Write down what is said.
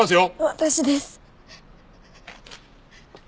私です。